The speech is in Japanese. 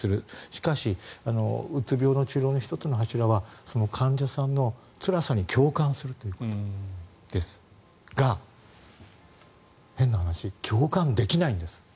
しかしうつ病の治療の１つの柱は患者さんのつらさに共感するということですが変な話、共感できないんです。